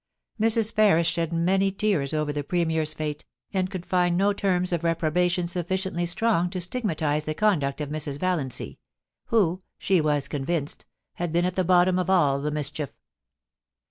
Mrs. Ferris shed many tears over the Premier's fate, and could find no terms of reprobation sufficiently strong to stigmatise the conduct of Mrs. Valiancy, who, she was con vinced, had been at the bottom of all the mischief.